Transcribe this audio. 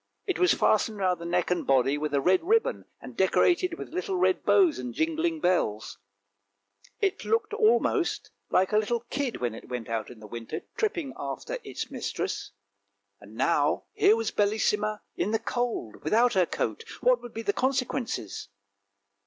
It was fastened round the neck and body with a red ribbon, and decorated with little red bows and jingling bells. It almost looked like a little kid when it went out in the winter, tripping after its mistress. Now here was Bellissima in the cold without her coat; what would be the consequences